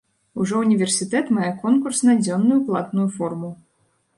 Ужо ўніверсітэт мае конкурс на дзённую платную форму.